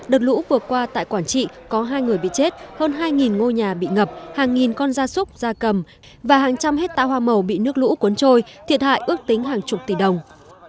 đợt lũ vừa qua tại quảng trị có hai người bị chết hơn hai ngôi nhà bị ngập hàng nghìn con da súc da cầm và hàng trăm hecta hoa màu bị nước lũ cuốn trôi thiệt hại ước tính hàng chục tỷ đồng